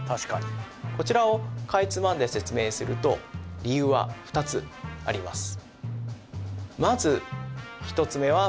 こちらをかいつまんで説明すると理由は２つあります